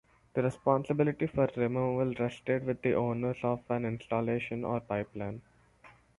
The responsibility for removal rested with the owners of an installation or pipeline.